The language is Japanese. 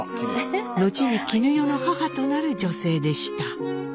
後に絹代の母となる女性でした。